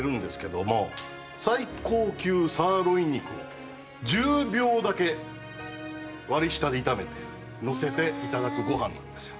最高級サーロイン肉を１０秒だけ割り下で炒めてのせて頂くご飯なんですよ。